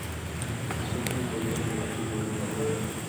Se encuentra en Tailandia y Borneo.